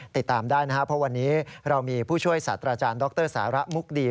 ติดตามได้นะครับเพราะวันนี้เรามีผู้ช่วยศาสตราจารย์ดรสาระมุกดี